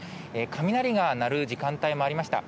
雷が鳴る時間帯もありました。